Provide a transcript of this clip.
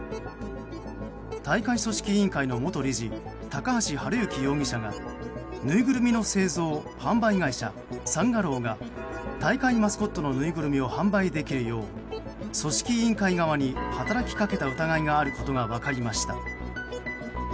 大会組織委員会の元理事高橋治之容疑者がぬいぐるみの製造・販売会社サン・アローが大会マスコットのぬいぐるみを販売できるよう組織委員会側に働きかけた疑いがあることが分かりました。